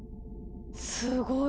すごい！